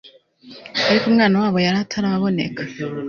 ariko umwana wabo yari ataraboneka